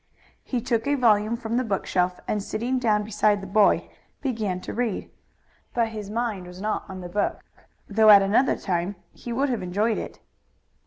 He took a volume from the bookshelf and sitting down beside the bed began to read. But his mind was not on the book, though at another time he would have enjoyed it.